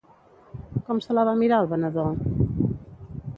Com se la va mirar el venedor?